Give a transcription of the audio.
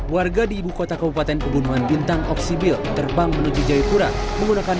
warga di ibu kota kabupaten pegunungan bintang oksibil terbang menuju jayapura menggunakan